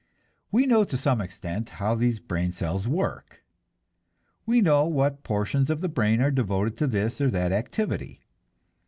We know to some extent how these brain cells work. We know what portions of the brain are devoted to this or that activity.